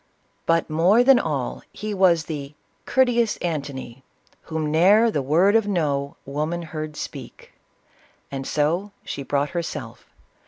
But, more than all, he was the " courteous Antony, Whom ne'er the word of No woman beard speak, — and so she brought herself.